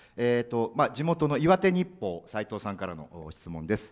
地元の岩手日報、さいとうさんからの質問です。